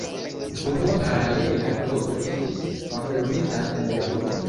Unua paralela vojo estis malfermita en la dunoj.